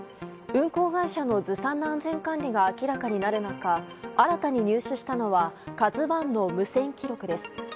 運航会社のずさんな安全管理が明らかになる中新たに入手したのは「ＫＡＺＵ１」の無線記録です。